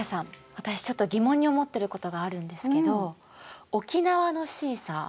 私ちょっと疑問に思ってることがあるんですけど沖縄のシーサー